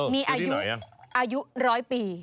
มีอายุร้อยปี